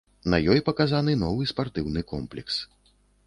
На ёй паказаны новы спартыўны комплекс.